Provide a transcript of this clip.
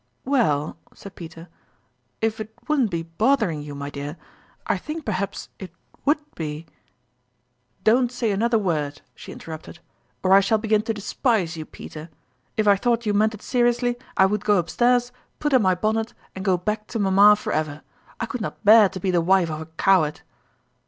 ""Well," said Peter, "if it wouldn't be bothering you, my dear, I think perhaps it would be "" Don't say another word," she interrupted, " or I shall begin to despise you, Peter ! If I thought you meant it seriously, I would go up Culminating (Eljeqtte! 143 stairs, put on my bonnet, and go back to mam ma forever. I could not bear to be the wife of a coward